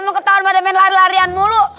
emang ketawa pada main lari larian mulu